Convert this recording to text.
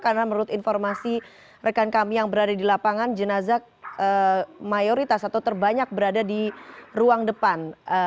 karena menurut informasi rekan kami yang berada di lapangan jenazah mayoritas atau terbanyak berada di ruang depan